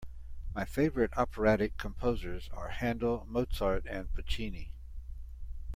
My favourite operatic composers are Handel, Mozart and Puccini